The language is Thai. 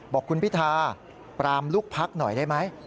บอกคุณพิธาปรามลูกพักหน่อยได้ไหม